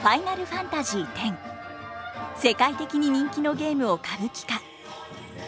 世界的に人気のゲームを歌舞伎化。